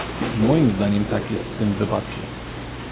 I moim zdaniem tak jest w tym wypadku